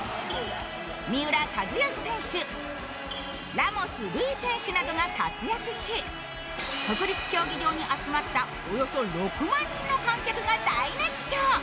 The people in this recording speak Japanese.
三浦知良選手、ラモス瑠偉選手などが活躍し、国立競技場に集まったおよそ６万人の観客が大熱狂。